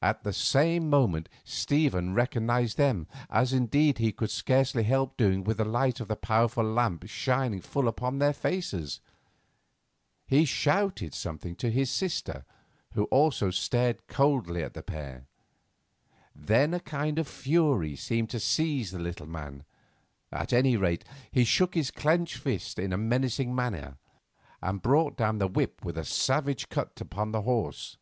At the same moment Stephen recognised them, as indeed he could scarcely help doing with the light of the powerful lamp shining full upon their faces. He shouted something to his sister, who also stared coldly at the pair. Then a kind of fury seemed to seize the little man; at any rate, he shook his clenched fist in a menacing fashion, and brought down the whip with a savage cut upon the horse.